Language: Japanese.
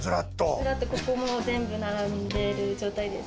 ずらっとここもう全部並んでる状態です。